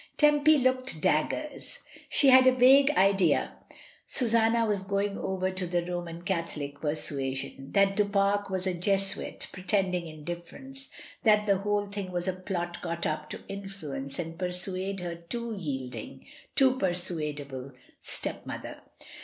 Tempy looked daggers. She had a vague idea Susanna was going over to the Roman Catholic persuasion, that Du Pare was a Jesuit pretending indifference, that the whole thing was a plot got up to influence and persuade her too yielding, too persuadable stepmother.